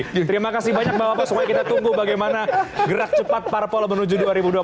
terima kasih banyak mbak wapos semoga kita tunggu bagaimana gerak cepat parpol menuju dua ribu dua puluh empat